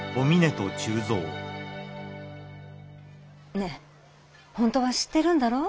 ねえ本当は知ってるんだろう？